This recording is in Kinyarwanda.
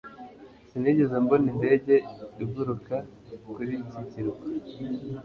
Sinigeze mbona indege iguruka kuri iki kirwa